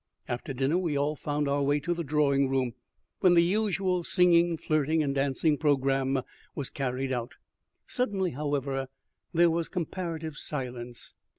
After dinner we all found our way to the drawing room, when the usual singing, flirting, and dancing programme was carried out. Suddenly, however, there was comparative silence.